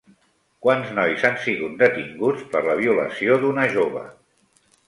Quants nois han sigut detinguts per la violació d'una jove?